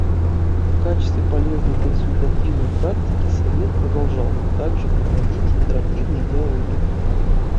В качестве полезной консультативной практики Совет продолжал также проводить интерактивные диалоги.